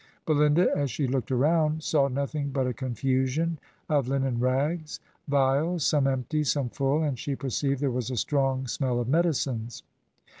... Belinda, as she looked around, saw nothing but a confusion of hnen rags; vials, some empty, some full, and she perceived there was a strong smell of medicines.